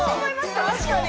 確かに！